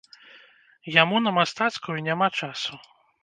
Яму на мастацкую няма часу.